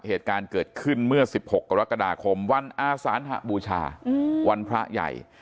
เหตุการณ์เกิดขึ้นเมื่อ๑๖กรกฎาคมวันอาสานหบูชาวันพระใหญ่